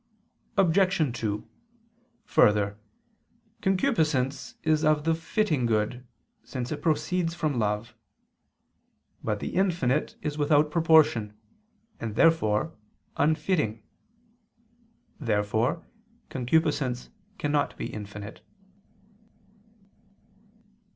Obj. 2: Further, concupiscence is of the fitting good, since it proceeds from love. But the infinite is without proportion, and therefore unfitting. Therefore concupiscence cannot be infinite.